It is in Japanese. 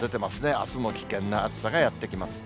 あすも危険な暑さがやって来ます。